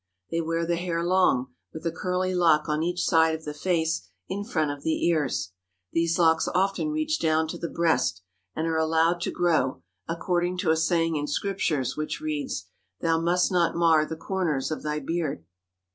They wear the hair long, with a curly lock on each side of the face, in front of the ears. These locks often reach down to the breast, and are allowed to grow, according to a saying in Scriptures, which reads, 'Thou must not mar the corners of thy beard."